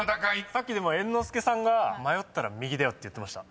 さっき猿之助さんが「迷ったら右だよ」って言ってました。